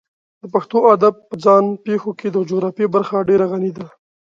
د پښتو ادب په ځان پېښو کې د جغرافیې برخه ډېره غني ده.